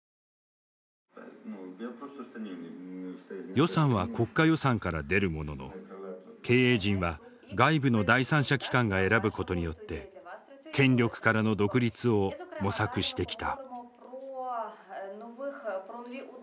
予算は国家予算から出るものの経営陣は外部の第三者機関が選ぶことによって権力からの独立を模索してきた。